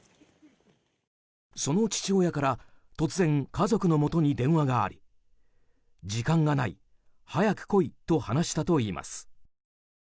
その父親から突然家族のもとに電話があり時間がない、早く来いと話したといいます。